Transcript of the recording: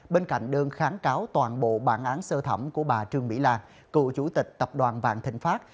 bên cạnh đơn kháng cáo toàn bộ bản án sơ thẩm của bà trương mỹ lan cựu chủ tịch tập đoàn vạn thịnh pháp